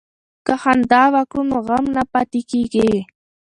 که خندا وکړو نو غم نه پاتې کیږي.